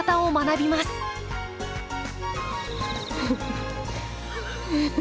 フフフフ。